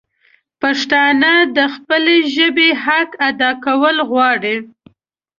پښتانه د خپلي ژبي حق ادا کول غواړي